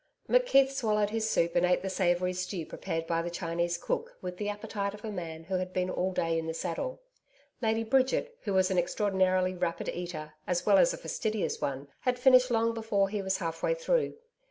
McKeith swallowed his soup and ate the savoury stew prepared by the Chinese cook with the appetite of a man who had been all day in the saddle. Lady Bridget, who was an extraordinarily rapid eater, as well as a fastidious one, had finished long before he was half way through.